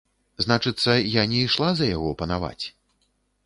Значыцца, я не ішла за яго панаваць.